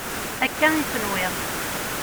Akka i tenwiḍ.